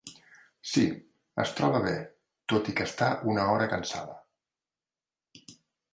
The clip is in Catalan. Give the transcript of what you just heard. Sí, es troba bé tot i que està una hora cansada.